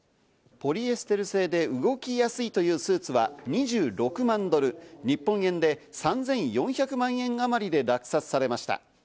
ポリエステル製で動きやすいというスーツは２６万ドル、日本円で３４００万円あまりで落札されました。